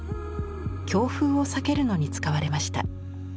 強風を避けるのに使われました。